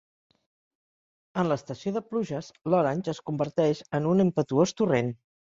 En l'estació de pluges, l'Orange es converteix en un impetuós torrent.